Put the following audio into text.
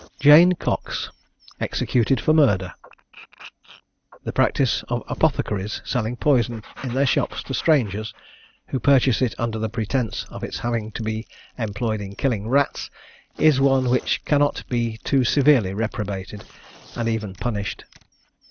JANE COX. EXECUTED FOR MURDER. The practice of apothecaries selling poison in their shops to strangers, who purchase it under the pretence of its having to be employed in killing rats, is one which cannot be too severely reprobated, and even punished.